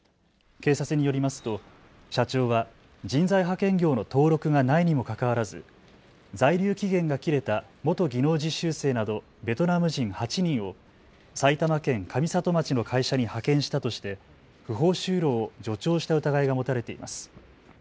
警察によりますと社長は人材派遣業の登録がないにもかかわらず在留期限が切れた元技能実習生などベトナム人８人を埼玉県上里町の会社に派遣したとして不法就労を助長した疑いが持たれています。